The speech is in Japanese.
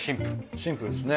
シンプルですね。